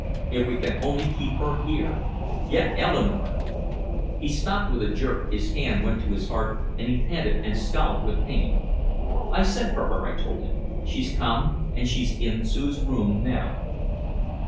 If we can only keep her here! Get Eleanore!" He stopped with a jerk, his hand went to his heart, and he panted and scowled with pain. "I sent for her," I told him. "She's come and she's in Sue's room now.